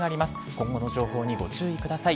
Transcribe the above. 今後の情報にご注意ください。